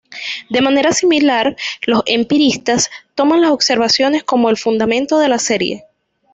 De manera similar, los empiristas toman las observaciones como el fundamento de la serie.